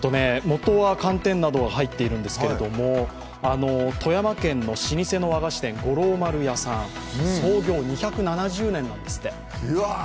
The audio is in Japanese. もとは寒天などが入っているんですけれども、富山県の老舗の和菓子店、ゴロウマル屋さん、創業２７０年なんですって。